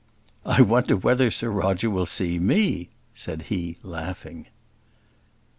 "I wonder whether Sir Roger will see me," said he, laughing.